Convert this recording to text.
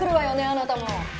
あなたも。